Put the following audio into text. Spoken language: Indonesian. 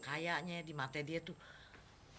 kayaknya di mata dia tuh